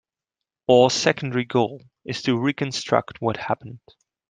Our secondary goal is to reconstruct what happened.